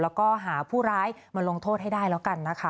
แล้วก็หาผู้ร้ายมาลงโทษให้ได้แล้วกันนะคะ